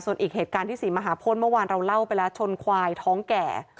ส่วนอีกเหตุการณ์ที่ศรีมหาโพธิเมื่อวานเราเล่าไปแล้วชนควายท้องแก่